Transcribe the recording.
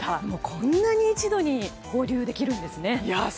こんなに一度に放流できるんですね。